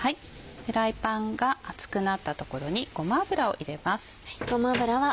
フライパンが熱くなったところにごま油を入れます。